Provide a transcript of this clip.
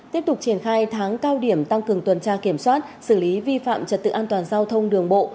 tiếp tục triển khai tháng cao điểm tăng cường tuần tra kiểm soát xử lý vi phạm trật tự an toàn giao thông đường bộ